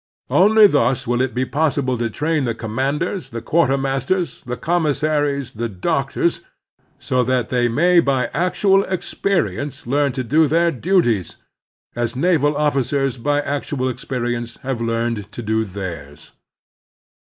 Only thus will it be possible to train the commanders, the quartermasters, the commissaries, the doctors, so that they may by actual experience leam to do their duties, as naval officers by actual experience have learned to do theirs.